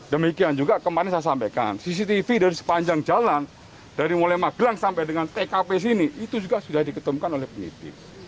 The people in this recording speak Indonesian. demikian juga kemarin saya sampaikan cctv dari sepanjang jalan dari mulai magelang sampai dengan tkp sini itu juga sudah diketemukan oleh penyidik